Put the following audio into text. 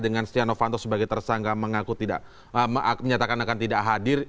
dengan setia novanto sebagai tersangka mengaku tidak menyatakan akan tidak hadir